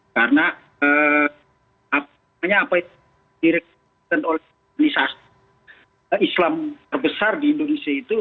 karena apa yang direksikan oleh organisasi islam terbesar di indonesia itu